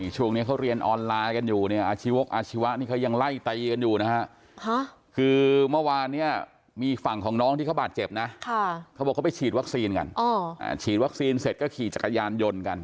เจ็บสาหัสนะฮะค่ะหนึ่งในคันที่เข้ามาด้วยกันเนี่ยเข้ามากันสามคัน